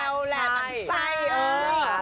เจ๋วและมันใจเยอะ